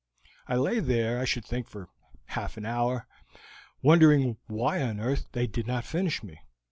I lay there I should think for half an hour, wondering why on earth they did not finish me.